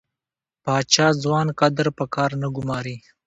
پاچا ځوان کدر په کار نه ګماري .